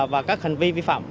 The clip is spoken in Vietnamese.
và các hành vi vi phạm